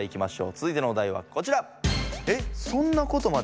つづいてのお題はこちら。